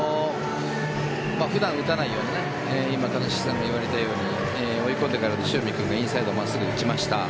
普段打たないような今、谷繁さんが言われたように追い込んでから塩見君がインサイド真っすぐ打ちました。